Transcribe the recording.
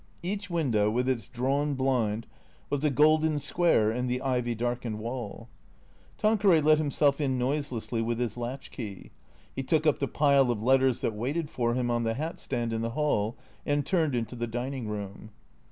Each window, with its drawn blind, was a golden square in the ivy darkened wall. Tanqueray let himself in noiselessly with his latch key. He took up the pile of letters that waited for him on the hat stand in the hall, and turned into the dining room.